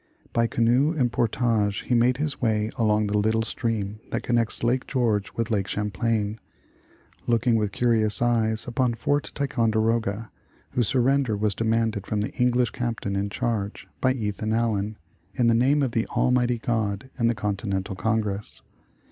By canoe and portage he made his way along the lit 63 The Original John Jacob Astor tie stream that connects Lake George with Lake Cham plain, looking with curious eyes upon Fort Ticondero ga, whose surrender was demanded from the English Captain in charge, by Ethan Allen, ''in the name of Almighty God and the" Continental Congress."